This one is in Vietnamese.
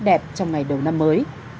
đẹp trong ngày đầu năm mới